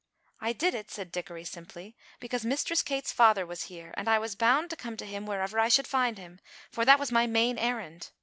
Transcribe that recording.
"I did it," said Dickory simply, "because Mistress Kate's father was here, and I was bound to come to him wherever I should find him, for that was my main errand.